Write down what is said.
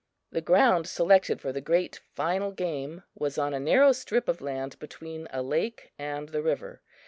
The ground selected for the great final game was on a narrow strip of land between a lake and the river.